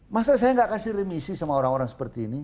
masa saya gak kasih remisi sama orang orang seperti ini